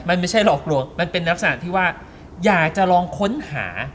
มันไม่ใช่หลอกลวงมันเป็นลักษณะที่ว่าอยากจะลองค้นหา